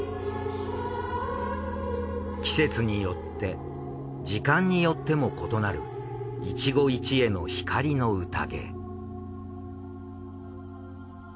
季節によって時間によっても異なる一期一会の光の宴。